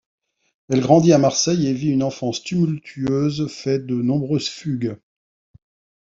Elle grandit à Marseille et vit une enfance tumultueuse, fait de nombreuses fugues.